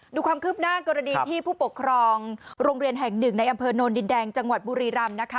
ดูความคืบหน้ากรณีที่ผู้ปกครองโรงเรียนแห่งหนึ่งในอำเภอโนนดินแดงจังหวัดบุรีรำนะคะ